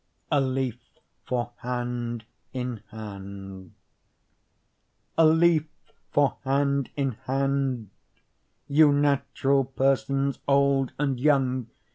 A Leaf for Hand in Hand A leaf for hand in hand; You natural persons old and young!